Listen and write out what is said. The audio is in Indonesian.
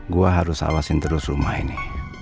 gue harus awasin terus rumah ini